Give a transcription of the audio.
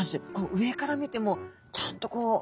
上から見てもちゃんとこう。